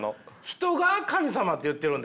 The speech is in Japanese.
人が「神様」って言ってるんですから。